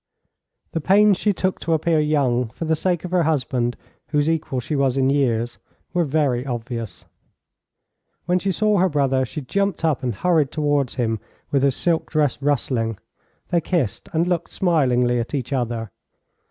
The pains she took to appear young, for the sake of her husband, whose equal she was in years, were very obvious. When she saw her brother she jumped up and hurried towards him, with her silk dress rustling. They kissed, and looked smilingly at each other.